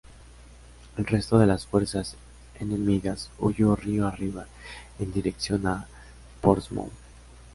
El resto de las fuerzas enemigas huyó río arriba, en dirección a Portsmouth.